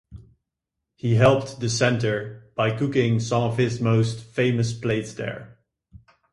He helped the center by cooking some of his most famous plates there.